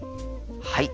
はい。